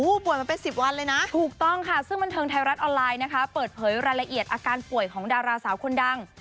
ป่วยมาเป็น๑๐วันเลยนะถูกต้องค่ะซึ่งบันเทิงไทยรัฐออนไลน์นะคะเปิดเผยรายละเอียดอาการป่วยของดาราสาวคนดัง